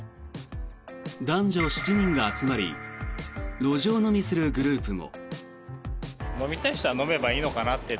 男女７人が集まり路上飲みするグループも。